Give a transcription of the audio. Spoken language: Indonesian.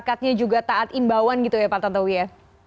maksudnya juga taat imbawan gitu ya pak tantowi ya